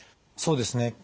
そうですね。